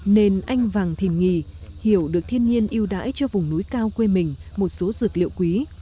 nên anh vàng thìm nghì hiểu được thiên nhiên yêu đãi cho vùng núi cao quê mình một số dược liệu quý